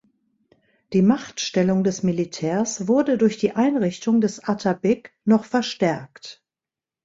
Die Machtstellung der Militärs wurde durch die Einrichtung des Atabeg noch verstärkt.